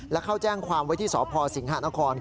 และเข้าแจ้งความไว้ที่สพสิงหานคร